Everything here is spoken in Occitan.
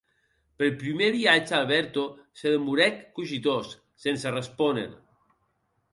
Per prumèr viatge Alberto se demorèc cogitós, sense respóner.